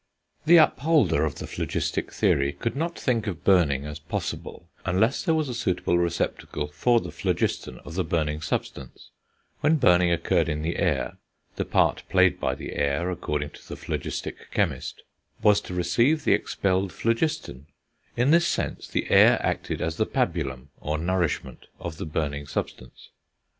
The upholder of the phlogistic theory could not think of burning as possible unless there was a suitable receptacle for the phlogiston of the burning substance: when burning occurred in the air, the part played by the air, according to the phlogistic chemist, was to receive the expelled phlogiston; in this sense the air acted as the pabulum, or nourishment, of the burning substance.